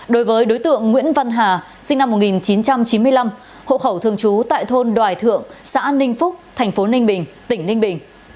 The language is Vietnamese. đối với đối tượng nguyễn văn hà sinh năm một nghìn chín trăm chín mươi năm hộ khẩu thường trú tại thôn đoài thượng xã ninh phúc thành phố ninh bình tỉnh ninh bình